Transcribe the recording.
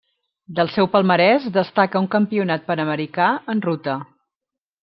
Del seu palmarès destaca un Campionat Panamericà en ruta.